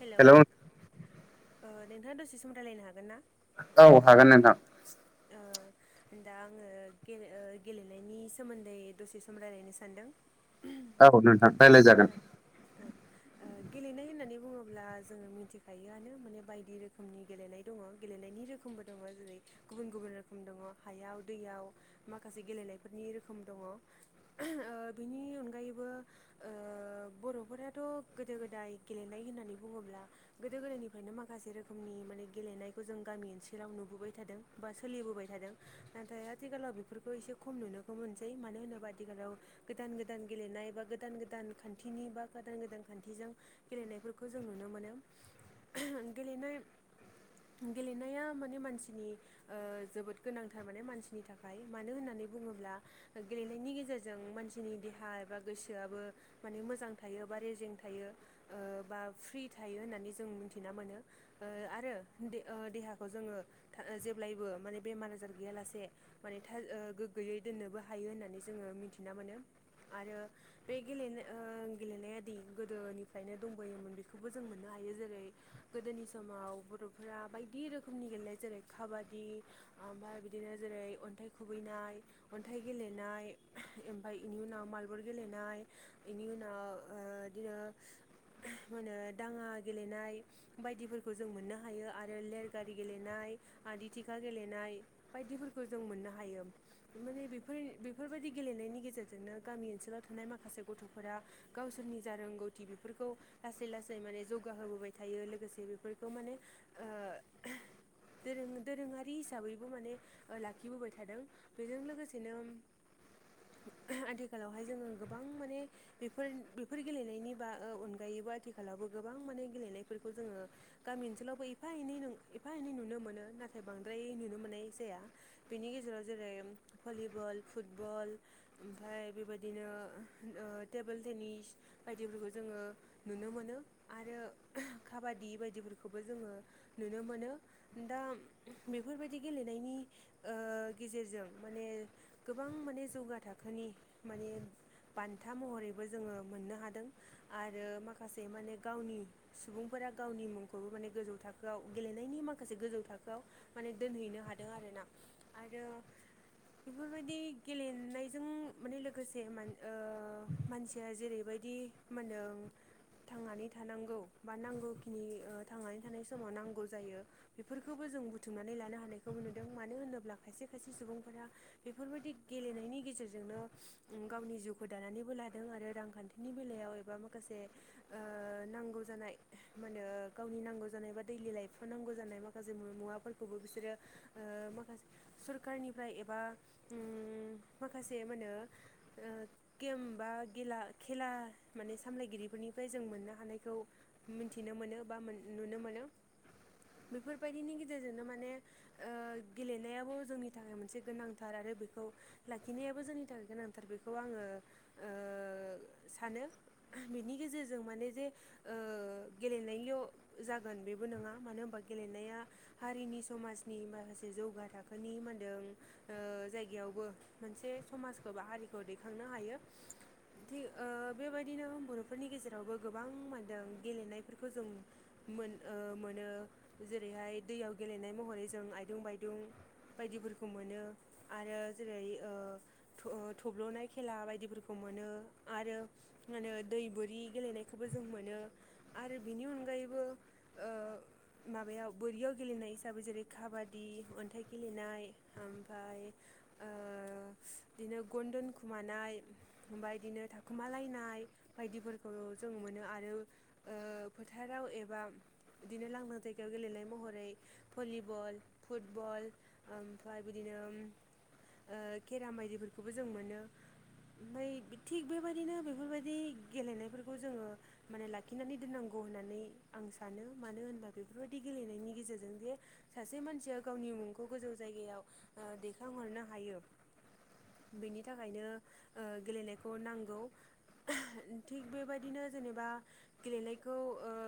हेल' hello नोंथाङा दसे सम राय्लायनो हागोन ना? औ हागोन नोंथां [inaudible] [unintelligible] दा आङो गेलेनायनि सोमोन्दै दसे सम रायलायनो सान्दों औ नोंथां रायज्लाय जागोन। गेलेनाय होननानै बुङोब्ला अब्ला जोङो मिथिखायोआनो माने बायदि रोखोमनि गेलेनाय दङ गेलेनायनि रोखोमबो दङ जेरै गुबुन गुबुन रोखोम दङ हायाव दैयाव माखासे गेलेनायफोरनि रोखोम दङ ओ बिनि अनगायैबो ओ बर'फोराथ' गोदो गोदाय गेलेनाय होननानै बुङोब्ला गोदो गोदायनिफ्रायनो माखासे रोखोमनि माने गेलेनायखौ जों गामि ओनसोलाव नुबोबाय थादों। बा सोलिबोबाय थादों नाथाय आथिखालाव बेफोरखौ एसे खम नुनोखौ मोनसै मानो होनोबा आथिखालाव गोदान गोदान गेलेनाय बा गोदान गोदान खान्थिनि बा गोदान गोदान खान्थिजों गेलेनाय खौ जों नुनो मोनो गेलेनाय गेलेनाया माने मानसिनि जोबोद गोनांथार माने मानसिनि थाखाय मानो होननानै होननानै बुङोब्ला गेलेनायनि गेजेरजों मानसिनि देहा एबा गोसोआबो माने मोजां थायो। जोबा रेजें थायो बा फ्रि थायो होननानै जों मिथिना मोनो आरो देहाखौ जोङो जे जेब्लायबो माने बेमार आजार गैयालासे माने गोग्गोयै दोननोबो हायो होननानै जोङो मिथिना आरो गेलेनाया गोदोनिफ्रायनो दंबोयोमोन। खौबो जों मोननो हायो जेरै गोदोनि समाव बर'फोरा बायदि रोखोमनि गेलेनाय जेरै काबादि ओमफ्राय बिदिनो जेरै अन्थ खुबैनाय अन्थाइ गेलेनाय बेनि उनाव मालबल गेलेनाय बेनि उनाव बिदिनो मा होनो दाङा गेलेनाय बायदिफोरखौ जों मोननो हायो आरो लेरगारि गेलेनाय आदि थिखा गेलेनाय बायदिफोरखौ जों मोननो हायो माने बेफोर बेफोरबायदि गेलेनाय बेनि गेजेरजोंनो गामि ओनसोलाव थानाय माखासे गथ'फोरा गावसोरनि जा रोंगौथि बेफोरखौ लासै लासै माने जौगाहोबोबाय थायो लोगोसे बेफोरखौ माने दोरों दोरोङारि हिसाबैबो माने लाखिबोबाय थादों बेजों लोगोसेनो आथिखालावहाय जोङो गोबां माने बेफोर बेफोर गेलेनायनि बान अनगायैबो आथिखालावबो गोबां माने गेलेनायफोरखौ जोङो गामि ओनसोलावबो एफा एनै एफा एनै नुनो मोन मोनो नाथाय बांद्राय नुनो मोननाय जाया बेनि गेजेराव जेरै भलिबल फुटबल लओमफफ्राय बेबायदिनो टेबोल टेनिस बायदिफोरखौ जोङो नुनो मोनो आरो खाबादि बायदिफोरखौबो जोङो नुनो मोनो दा दा बेफोरबायदि गेलेनायनि गेजेरजों माने गोबां माने जौगा थाखोनि माने बान्था महरैबो जोङो मोननो हादों आरो आरो माखासे माने गावनि सुबुंफोरा गावनि मुंखौबो माने गोजौ थाखोआव गेलेनायनि माखासे गोजौ थाखोआव माने दोनहैनो हादों आरोना आरो बेफोरबायदि गेलेनायजों माने लोगोसे मानसिया जेरैबायदि मोनदों थांनानै थानांगौ बा नांगौखिनि थांनानै थानाय समाव नांगौ जायो बेफोरखौबो जों बुथुमनानै लानो हानायखौबो नुदों मानो होनोब्ला खायसे खायसे सुबुंफोरा बेफोरबायदि गेलेनायनि गेजेरजों गेजेरजोंनो गावनि जिउखौ दानानैबो लादों आरो रांखान्थिनि बेलायाव एबा माखासे नांगौ जानाय माने गावनि नांगौ जानाय बा दैलि लाइफआव नांगौ जानाय माखासे मुवाफोरखौबो बिसोरो माखासे सखारनिफ्राय एबा माखासे मा होनो गेम बा गेला खेला माने सामलायगिरिफोरनिफ्राय जों मोननो हानायखौ मिथिनो मोनो बा नुनो मोनो। बेफोरबायदिनि गेजेरजोंनो माने गेलेनायाबो जोंनि थाखाय मोनसे गोनांथार आरो बेखौ लाखिनायाबो जोंनि थाखाय गोनांथार बेखौ आङो सानो। बिनि गेजेरजों माने जे गेलेनायल' जागोन बेबो नङा मानो होनबा गेलेनाया हारिनि समाजनि माखासे जौगा थाखोनि मा होनदों जाय मोन बा हखांनो हायो [inaudible] दिनो बर'फोरनि गेजेरावबो गोबां मोनदों गेलेनायफोरखौ जों मोनो ओरैहाय दैयाव गेलेनाय महरै जों आयदुं बायदुं बायदिफोरखौ मोनो आरो जेरै थब्ल'नाय खेला बायदिफोरखौ मोनो मोनो आरो मा होनो दैबोरि गेलेनायखौबो जों मोनो आरो बिनि अनगायैबो माबायाव बोरियाव गेलेनाय हिसाबै जेरै काबादि अन्थाइ गेलेनाय ओमफ्राय बिदिनो गन दोनखुमानाय ओमफ्राय बिदिनो थाखुमालायनाय। ब ज फोथारावबा बिनोां [inaudible] जाइगायाव गेलेनाय महरै भलिबल फुटबल ओमफ्राय बिदिनो केराम बायदिफोरखौबो जों मोनो ओमफ्राय थिग बेबायदिनो बेफोरबाय दि गेलेनायफोरखौ जोङो माने लाखिनानै दोन्नांगौ होन्नानै आं सानो मानो होनबा बेफोरबायदि गेले नायनि गेजेरजों जे सासे मानसिया गावनि मुंखौ गोजौ जायगायाव दैखांहरनो हायो। बेनि थाखायनो गेलेनायखौ नांगौ। थिग बेबायदिनो जेनेबा गेलेनायखौ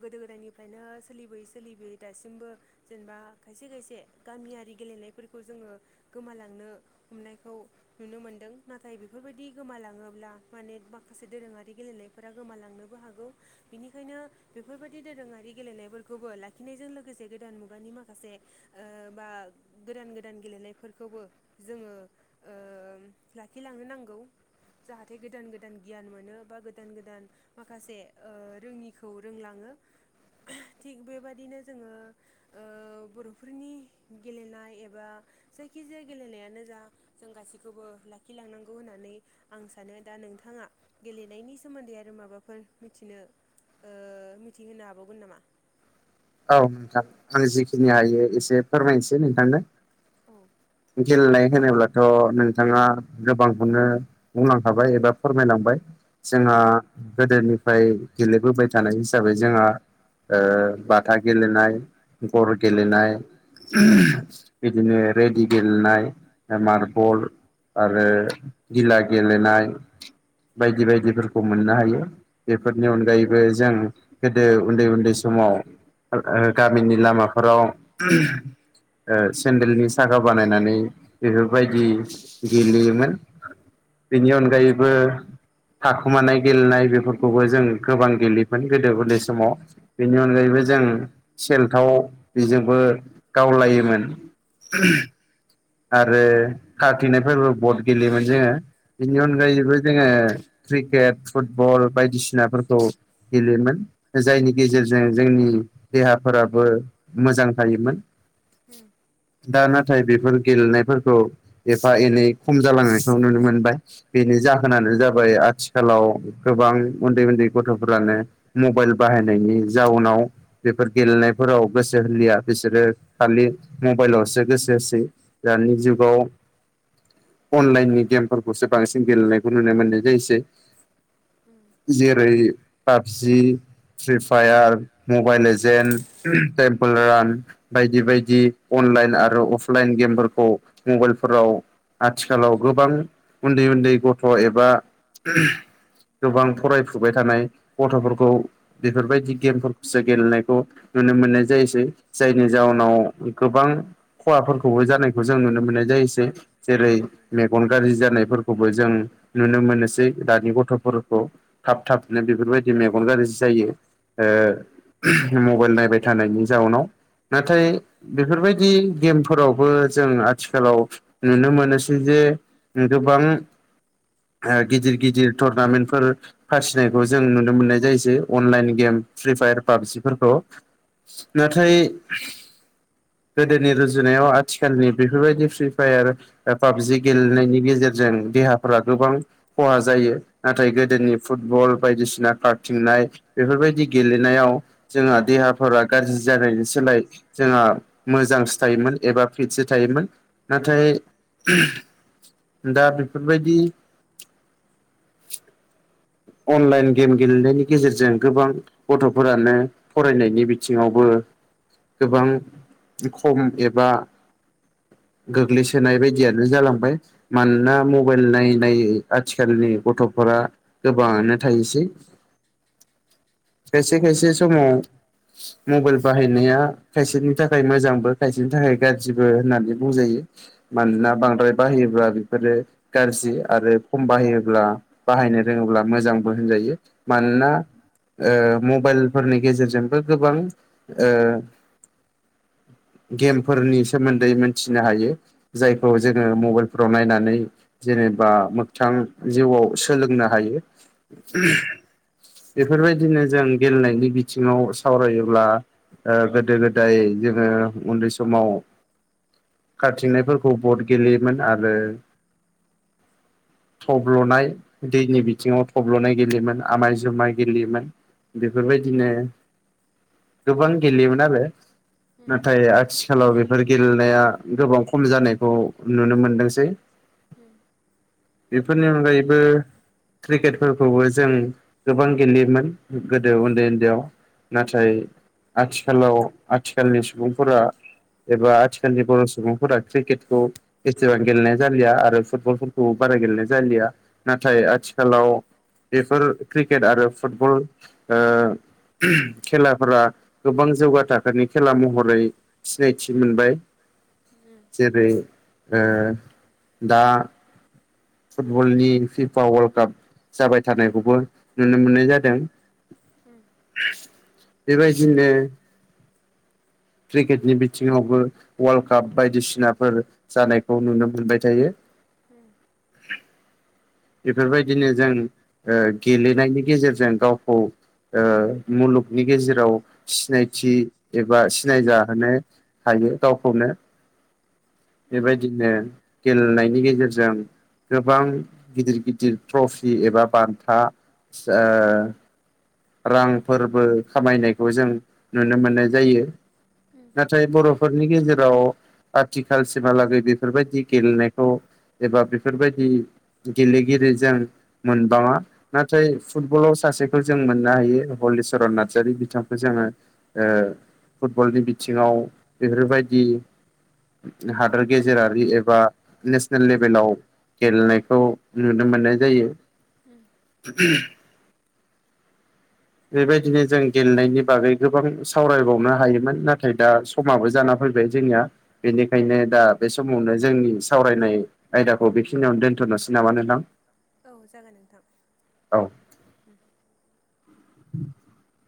गोदो गोदायनिफ्रायनो सोलिबोयै सोलिबोयै दासिमबो जेनेबा खायसे खायसे गामियारि गेलेनायफोरखौ जोङो गोमालांनो हमनायखौ नुनो मोनदों नाथाय बेफोरबायदि गोमालाङोब्ला माने बाख माखासे दोरोङारि गेलेनायफोरा गोमालांनोबो हागौ बिनिखायनो बेफोरबायदि दोरोङारि गेलेनायफोरखौ खौबो लाखिनायजों लोगोसे गोदान मुगानि माखासे बा गोदान गोदान गेलेनायफोरखौ ज जद गोद [inaudible] गोदान गियान मोनो बा गोदान गोदान माखासे रोङिखौ रोंलाङो। थिग बेबादिनो जोङो बर'फोरनि गेलेनाय एबा जायखिजाया गेलेनायानो जा जों गासैखौबो लाखिलांनांगौ होननानै आं सानो दा नोंथां। नोंथाङा गेलेनायनि सोमोन्दै आरो माबाफोर मिथिनो मिथिहोनो हाबावगोन नामा? औ नोंथां आं जिखिनि हायो एसे फोरमायनोसै नोंथांनो। औ गेलेनाय होनोब्लाथ' नोंथाङा गोबांखौनो बुंलांखाबाय एबा फोरमायलांबाय। उम जोंहा गोदोनि फ्राय गेलेबोबाय थानाय हिसाबै जोंहा ओ बाथा गेलेनाय गर गेलेनाय बिदिनो रेडि गेलेनाय मार्बल आरो गिला गेलेनाय बायदि बायदिफोरखौ मोननो हायो बेफोरनि अनगायैबो जों गोदो उन्दै उन्दै समाव गामिनि लामाफोराव ओ सेन्देलनि साखा बानायनानै बेफोरबायदि गेलेयोमोन। बिनि अनगायैबो थाखुमानाय गेलेनाय बेफोरखौबो जों गोबां गेलेयोमोन गोदो उन्दाय समाव बेनि अनगायैबो जों सेलथाव बेजोंबो गावलायोमोन। आरो खाथिनायफोरबो बट गेलेयोमोन जोङो बेनि उम अनगायैबो जोङो क्रिकेट फुटबल बायदिसिनाफोरखौ गेलेयोमोन जायनि गेजेरजों जोंनि देहाफोराबो मोजां थायोमोन उम दा नाथाय बेफोर फोरखौ एफा एनै खम जालांनायखौ नुनो मोनबाय बेनि जाहोनानो जाबाय आथिखाल आथिखालाव गोबां उन्दै उन्दै गथ'फोरानो मबाइल बाहायनायनि जाउनाव बेफोर गेलेनायफोराव गोसो होलिया बिसोरो खालि मबाइलावसो गोसो होसै दानि उम जुगाव अनलाइननि गेमफोरखौसो बांसिन गेलेनायखौ नुनो मोननाय जायोसै। उम जेरै पाबजि फ्रि फायार मबाइल लेजेन् ओम टेमपोल रान बायदि बायदि अ अनलाइन आरो अफलाइन गेमफोर खौ मबाइलफोराव आथिखालाव गोबां उन्दै उन्दै गथ' थ' एबा गोबां फरायफुबाय थानाय गथ'फोरखौ बेफोरबायदि गेमफोरखौसो गेलेनायखौ नुनो मोननाय जायोसै जायनि जाउनाव गोबां खहाफोरखौबो जानाय खौ जों नुनो मोननाय जायोसै जेरै मेगन गाज्रि जानायफोरखौबो जों नुनो मोनोसै। दानि गथ'फोरखौ थाब थाबनो बेफोरबायदि मेगन गाज्रि जायो ओ ओम मबाइल नायबाय थानायनि जाउनाव नाथाय बेफोरबायदि गेमफोरावबो जों आथिखालाव नुनो मोनोसै जे गोबां ओ गिदिर गिदिर टुरनामेन्टफोर फाथिनायखौ जों नुनो मोननाय जायोसै अनलाइन गेम फ्रि फायार पाबजिफोरखौ। [inaudible] नाथाय गोदोनि रुजुनायाव आथिखाल खालनि बेफोरबायदि फ्रि फायार पाबजि गेलेनायनि गेजेरजों देहाफोरा गोबां खहा जायो नाथाय गोदोनि फुटबल बायदिसिना खारथिंनाय बेफोरबायदि गेलेनायाव जोंहा देहाफोरा गाज्रि जानायनि सोलाय जोंहा मोजां सोथायोमोन एबा फिटसो थायोमोन उम नाथाय ओम दा बेफोरबायदि अनलाइन गेम गेलेनायनि गेजेरजों गोबां गथ'फोरानो फरायनायनि बिथिङावबो गोबां खम एबा [inaudible] गोग्लैसोनाय बायदियानो जालांबाय मानोना मबाइल नायै नायै आथिखालनि गथ'फोरा फ्रा गोबाङानो थायोसै खायसे खायसे समाव मबाइल बाहायनाया खायसेनि थाखाय मोजांबो खायसेनि थाखाय गाज्रिबो होननानै बुंजायो उम मानोना बांद्राय बाहायोबा बेफोरो गाज्रि आरो खम बाहायोब्ला बाहायनो रोङोबा मोजांबो होनजायो मानोना ओ म मबाइलफोरनि गेजेरजोंबो गोबां ओ [inaudible] गेमफोरनि सोमोन्दै मोनथिनो हायो जायखौ जोङो मबाइलफ्राव नायनानै जे एबा मोगथां जिउआव सोलोंनो हायो। उम बेफोरबायदिनो जों गेलेनायनि बिथिङाव सावरायोब्ला ओ गोदो गोदाय जोङो ओ उन्दै समाव [inaudible] खाथिंनायफोरखौ बट गेलेयोमोन आरो थब्ल'नाय दैनि बिथिंङाव थब्ल'नाय गेलेयोमोन आमाय जुमाय गेलेयोमोन बेफोरबायदिनो गोबां गेलेयोमोन आरो उम नाथाय आथि आथिखालाव बेफोर गेलेनाया गोबां खम जानायखौ नुनो मोनदोंसै उम। बेफोरनि अनगायैबो क्रिकेटफोरखौबो जों गोबां गेलेयोमोन गोदो उन्दै उन्दैआव नाथाय आथिखालाव आथिखालनि सुबुंफोरा एबा आथिखालनि बर' सुबुंफोरा क्रिकेटखौ बेसेबां गेलेनाय जालिया आरो फुटबलफोरखौ बारा गेलेनाय जालिया नाथाय उम आथिखालाव बेफोर क्रिकेट आरो फुटबल खेलाफोरा गोबां जौगा थाखोनि खेला महरै सिनायथि मोनबाय उम जेरै ओ दा फुटबलनि पिपा वल् [unintelligible] जाबाय थानायखौबो नुनो मोननाय जादों बेबायदिनो क्रिकेटनि बिथिंङावबो वर्ल्ड काप बायदिसिनाफोर जानायखौ नुनो मोनबाय थायो [unintelligible] बेफोरबायदिनो जों गेलेनायनि गेजेरजों गावखौ मुलुगनि गेजेराव सिनायथि एबा सिनायजाहोनो हायो गावखौनो बेबायदिनो गेलेनायनि गेजेरजों गोबां गिदिर गिदिर ट्रफि एबा बान्था रांफोरबो खामायनायखौ जों नुनो मोननाय जायो। उम नाथाय बर'फोरनि गेजेराव आथिखालसिमहालागै बेफोरबायदि गेलेनायखौ एबा बेफोरबायदि गेलेगिरि जों मोनबांङा नाथाय फुटबलाव सासेखौ जों मोननो हायो हलिचरन नार्जारि बिथांखौ जोंङो फुटबलनि बिथिंङाव बेफोरबायदि हादोर गेजेरारि एबा नेसनेल लेभेलाव गेलेनायखौ नुनो मोननाय जायो। बेबायदिनो जों गेलेनायनि बागै गोबां सावरायबावनो हायोमोन नाथाय दा समाबो जाना फै फैबाय जोंनिया बेनिखायनो दा बे समावनो जोंनि सावरायनाय आयदाखौ बेखिनियावनो दोनथ' होननोसै नामाा नोंथां औ जागोन नोंथां औ [inaudible]